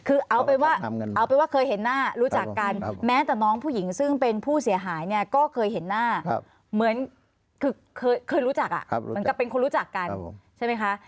คือเอาเป็นว่าเอาเป็นว่าเคยเห็นหน้ารู้จักกันแม้แต่น้องผู้หญิงซึ่งเป็นผู้เสียหายเนี่ยก็เคยเห็นหน้าเหมือนคือเคยรู้จักเหมือนกับเป็นคนรู้จักกันใช่ไหมคะ